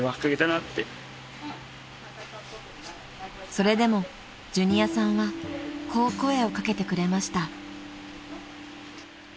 ［それでもジュニアさんはこう声を掛けてくれました］